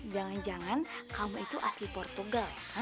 jangan jangan kamu itu asli portugal